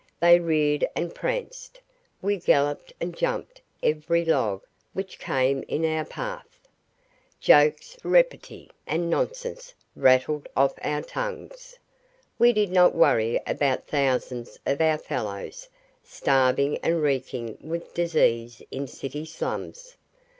They reared and pranced; we galloped and jumped every log which came in our path. Jokes, repartee, and nonsense rattled off our tongues. We did not worry about thousands of our fellows starving and reeking with disease in city slums.